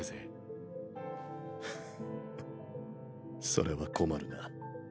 ハハそれは困るな。